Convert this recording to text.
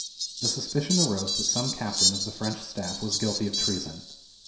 The suspicion arose that some captain of the French staff was guilty of treason.